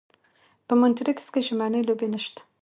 په مونټریکس کې ژمنۍ لوبې نشته.